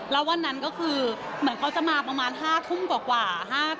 แล้ววันนั้นก็คือเหมือนเขาจะมาประมาณ๕ทุ่มกว่า